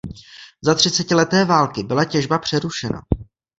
Za třicetileté války byla těžba přerušena.